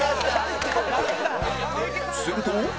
すると